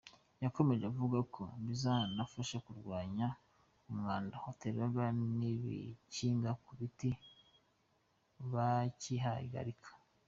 Yakomeje avuga ko bizanafasha kurwanya umwanda waterwaga n’abikinga ku biti bakihagarika.